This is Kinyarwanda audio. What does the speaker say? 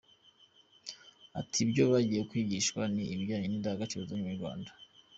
Ati "Ibyo bagiye kwigishwa ni ibijyana n’indangagaciro z’Abanyarwanda.